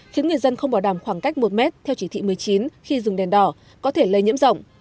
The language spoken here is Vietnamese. khiến người dân không bảo đảm khoảng cách một mét theo chỉ thị một mươi chín khi dừng đèn đỏ có thể lây nhiễm rộng